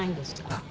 あっ。